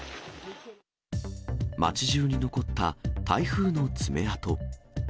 町じゅうに残った台風の爪痕。